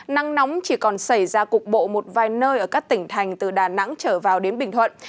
nắng nóng chỉ còn xảy ra cục bộ một vài nơi ở các tỉnh thành từ đà nẵng trở vào đến bình thuận